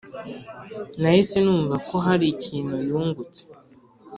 nahise numva ko hari ikintu yungutse.